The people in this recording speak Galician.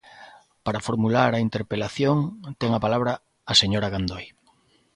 Para formular a interpelación ten a palabra a señora Gandoi.